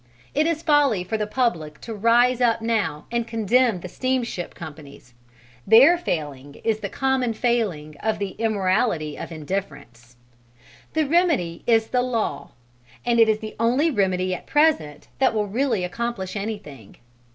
It is folly for the public to rise up now and condemn the steamship companies: their failing is the common failing of the immorality of indifference. The remedy is the law, and it is the only remedy at present that will really accomplish anything.